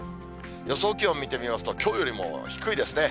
予想気温見てみますと、きょうよりも低いですね。